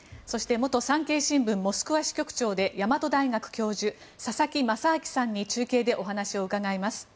そして、元産経新聞モスクワ支局長で大和大学教授佐々木正明さんに中継でお話を伺います。